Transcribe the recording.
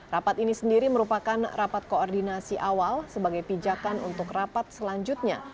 rapat ini sendiri merupakan rapat koordinasi awal sebagai pijakan untuk rapat selanjutnya